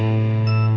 gila beres sih